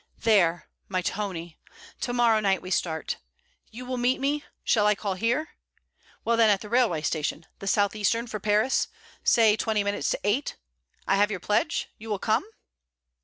There! my Tony. To morrow night we start. You will meet me shall I call here? well, then at the railway station, the South Eastern, for Paris: say, twenty minutes to eight. I have your pledge? You will come?'